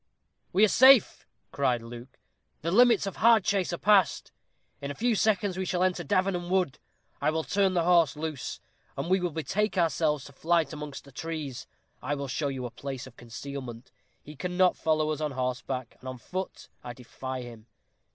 "We are safe," cried Luke; "the limits of Hardchase are past. In a few seconds we shall enter Davenham Wood. I will turn the horse loose, and we will betake ourselves to flight amongst the trees. I will show you a place of concealment. He cannot follow us on horseback, and on foot I defy him."